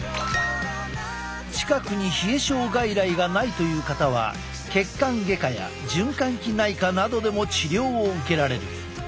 近くに冷え症外来がないという方は血管外科や循環器内科などでも治療を受けられる。